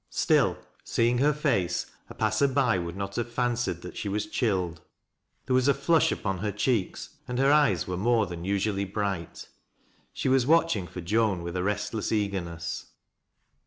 Still, seeing her face, a passer by would not have fancied that she was chilled. There was a flush upon her cheeks, and her eyes wore more than usually bright. She was watching for Joan with a restless eagerness.